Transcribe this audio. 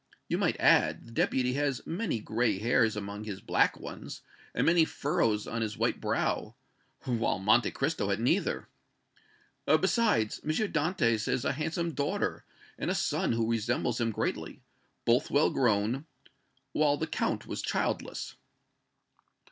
You might add, the Deputy has many gray hairs among his black ones, and many furrows on his white brow, while Monte Cristo had neither. Besides, M. Dantès has a handsome daughter and a son who resembles him greatly, both well grown, while the Count was childless."